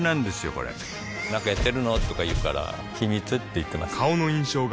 これなんかやってるの？とか言うから秘密って言ってます